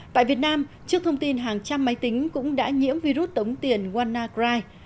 tại việt nam trước thông tin hàng trăm máy tính cũng đã nhiễm virus tống tiền wannacry